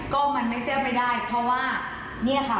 ก็มันไม่แซ่บไปได้เพราะว่านี่ค่ะ